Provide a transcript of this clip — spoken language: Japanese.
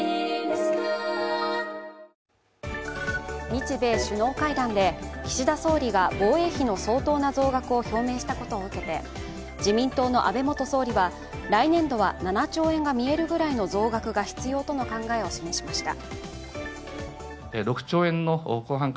日米首脳会談で岸田総理が防衛費の相当な増額を表明したことを受けて自民党の安倍元総理は、来年度は７兆円が見えるぐらいの増額が必要との考えを示しました。